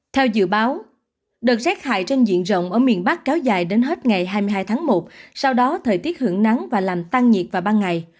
theo dự báo đợt rét hại trên diện rộng ở miền bắc kéo dài đến hết ngày hai mươi hai tháng một sau đó thời tiết hưởng nắng và làm tăng nhiệt vào ban ngày